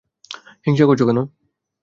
হিংসা করছ কেন?